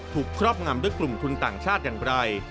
ครอบงำด้วยกลุ่มทุนต่างชาติอย่างไร